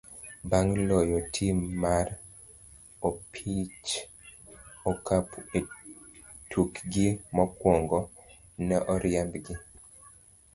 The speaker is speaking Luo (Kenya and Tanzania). bang' loyo tim mar opich okapu e tukgi mokwongo, ne oriembgi.